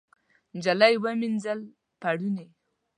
نجلۍ ومینځل پوړني